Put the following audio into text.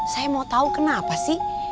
saya mau tahu kenapa sih